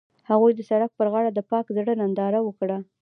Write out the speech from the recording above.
هغوی د سړک پر غاړه د پاک زړه ننداره وکړه.